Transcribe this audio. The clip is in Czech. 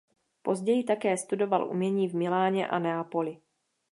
Později také studoval umění v Miláně a Neapoli.